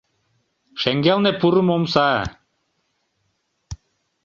Шеҥгелне пурымо омса.